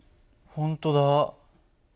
本当だ。